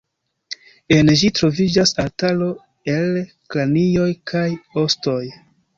En ĝi troviĝas altaro el kranioj kaj ostoj.